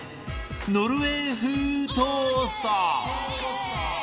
ノルウェー風トースト